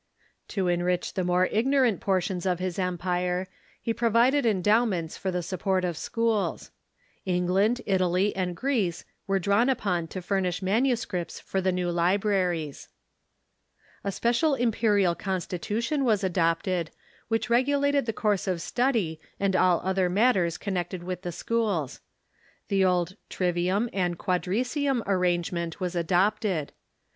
To enrich the more ignorant portions of his empire, he provided endowments for the support of schools. England, Italy, and Greece were drawn upon to furnish manuscripts for the new libraries. A special imperial constitution Avas adopted, which regulated the course of study and all other matters connected with the schools. The old trivium and quadrlvium arrangement was adopted.